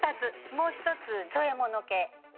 もう一つ添え物系。